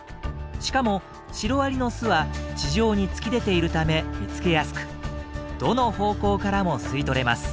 しかもシロアリの巣は地上に突き出ているため見つけやすくどの方向からも吸い取れます。